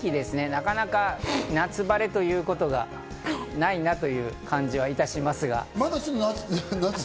なかなか夏晴れということがないなという感じはいたしますが。